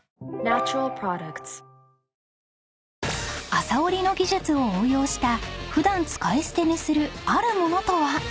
［麻織りの技術を応用した普段使い捨てにするあるモノとは？］